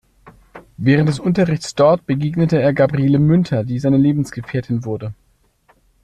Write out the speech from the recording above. Während des Unterrichts dort begegnete er Gabriele Münter, die seine Lebensgefährtin wurde.